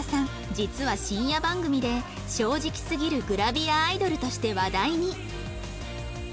実は深夜番組で正直すぎるグラビアアイドルとして話題に